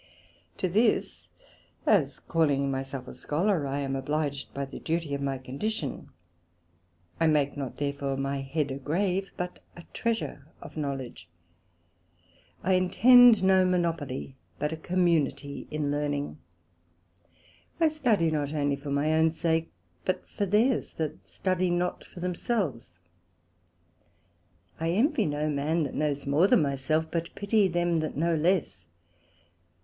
To this (as calling my self a Scholar) I am obliged by the duty of my condition: I make not therefore my head a grave, but a treasure of knowledge; I intend no Monopoly, but a community in learning; I study not for my own sake only, but for theirs that study not for themselves. I envy no man that knows more than my self, but pity them that know less.